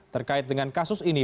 terkait dengan kasus ini